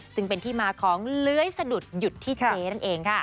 จึงเป็นที่มาของเลื้อยสะดุดหยุดที่เจ๊นั่นเองค่ะ